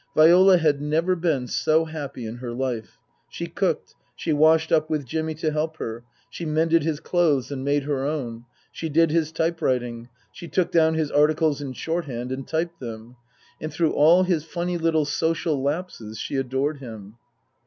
Viola had never been so happy in her life. She cooked ; she washed up with Jimmy to help her ; she mended his clothes and made her own ; she did his typewriting ; she < took down his articles in shorthand and typed them ; and through all his funny little social lapses she adored him.